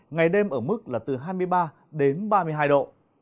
ngày đêm ở mức là từ hai mươi ba đến ba mươi hai độ